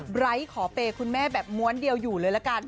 ไร้ขอเปย์คุณแม่แบบม้วนเดียวอยู่เลยละกัน